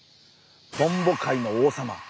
トンボ界の王様。